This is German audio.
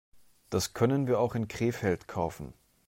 Das können wir auch in Krefeld kaufen